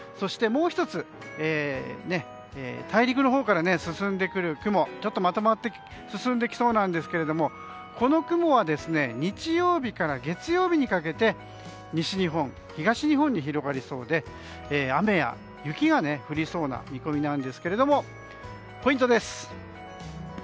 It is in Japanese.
もう１つ大陸のほうから進んでくる雲ちょっと、まとまって進んできそうなんですがこの雲は日曜から月曜にかけて西日本、東日本に広がりそうで雨や雪が降りそうな見込みなんですがポイントです。